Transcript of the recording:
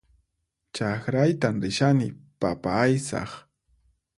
Chakraytan rishani papa aysaq